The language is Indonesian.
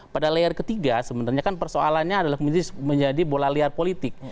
pada layar ketiga sebenarnya kan persoalannya adalah menjadi bola liar politik